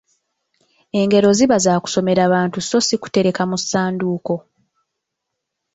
Engero ziba za kusomera bantu so si kutereka mu ssanduuko.